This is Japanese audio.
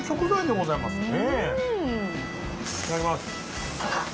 いただきます。